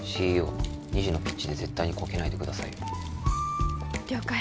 ＣＥＯ二次のピッチで絶対にコケないでくださいよ了解